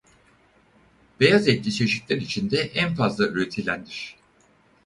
Beyaz etli çeşitler içinde en fazla üretilendir.